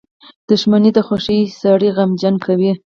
• دښمني د خوښۍ سړی غمجن کوي.